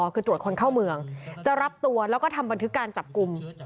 คือตรวจคนเข้าเมืองจะรับตัวแล้วก็ทำบันทึกการจับกลุ่ม